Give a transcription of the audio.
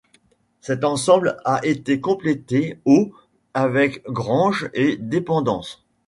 Cet ensemble a été complété au avec granges et dépendances.